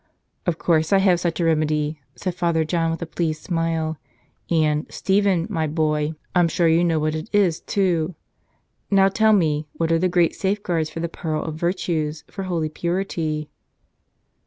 "Of course I have such a remedy," said Father John with a pleased smile. "And, Stephen, my boy, I'm sure , "Tell Us Ajiother!" you know what it is, too. Now tell me, what are the great safeguards for the pearl of virtues, for holy purity?"